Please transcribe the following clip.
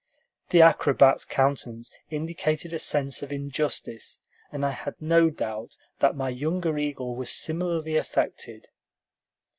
The acrobat's countenance indicated a sense of injustice, and I had no doubt that my younger eagle was similarly affected.